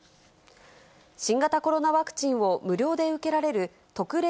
新型コロナワクチンを無料で受けられる特例